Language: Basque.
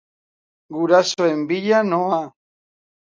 Gurasoen bila noa.